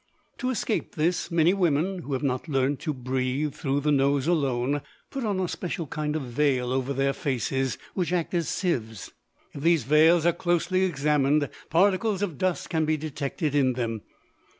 To escape this, many women (who have not learnt to breathe through the nose alone) put on a special kind of veil over their faces, which act as sieves. If these veils are closely examined, particles of dust can be detected in them.